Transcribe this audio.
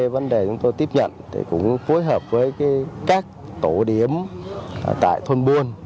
vấn đề chúng tôi tiếp nhận cũng phối hợp với các tổ điểm tại thôn buôn